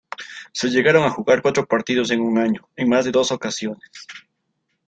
Se llegaron a jugar cuatro partidos en un año en más de dos ocasiones.